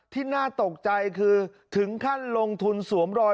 น่าตกใจคือถึงขั้นลงทุนสวมรอย